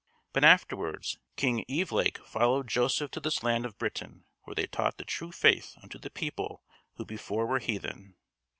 But afterwards, King Evelake followed Joseph to this land of Britain where they taught the true faith unto the people who before were heathen.